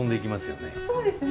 そうですね！